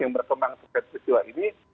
yang berkembang di situ ini